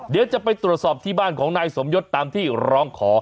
เดี๋ยวจะไปตรวจสอบที่บ้านของนายสมยศตามที่ร้องขอ